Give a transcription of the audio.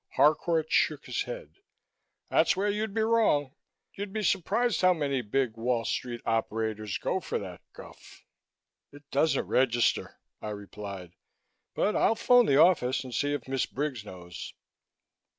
Harcourt shook his head. "That's where you'd be wrong. You'd be surprised how many big Wall Street operators go for that guff." "It doesn't register," I replied, "but I'll phone the office and see if Miss Briggs knows."